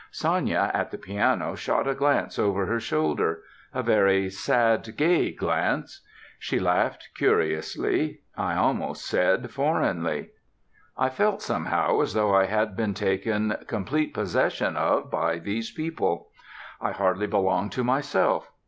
Sanya at the piano shot a glance over her shoulder, a very sad gay glance; she laughed, curiously, I almost said foreignly. I felt somehow as though I had been taken complete possession of by these people. I hardly belonged to myself.